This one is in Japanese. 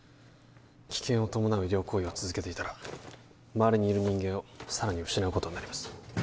危険を伴う医療行為を続けていたら周りにいる人間をさらに失うことになります